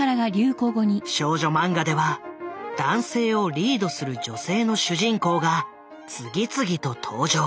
少女マンガでは男性をリードする女性の主人公が次々と登場。